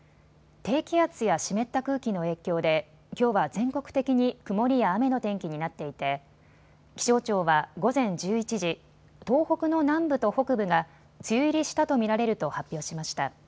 低気圧や湿った空気の影響できょうは全国的に曇りや雨の天気になっていて気象庁は午前１１時、東北の南部と北部が梅雨入りしたと見られると発表しました。